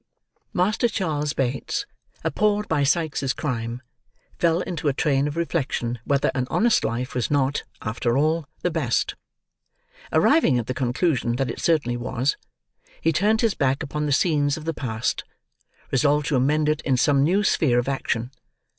Master Charles Bates, appalled by Sikes's crime, fell into a train of reflection whether an honest life was not, after all, the best. Arriving at the conclusion that it certainly was, he turned his back upon the scenes of the past, resolved to amend it in some new sphere of action.